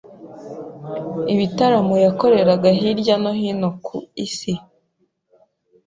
ibitaramo yakorerega hirya no hino ku Isi